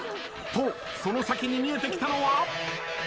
とその先に見えてきたのは。